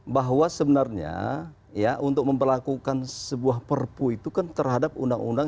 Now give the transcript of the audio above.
bahwa sebenarnya ya untuk memperlakukan sebuah perpu itu kan terhadap undang undang